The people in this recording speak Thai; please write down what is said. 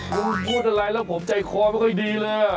พูดอะไรแล้วผมใจคอไม่ค่อยดีเลย